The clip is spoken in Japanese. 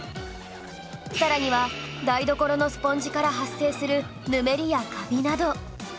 さらには台所のスポンジから発生するぬめりやカビなど